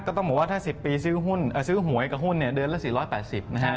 ก็ต้องบอกว่าถ้า๑๐ปีซื้อหวยกับหุ้นเดือนละ๔๘๐นะครับ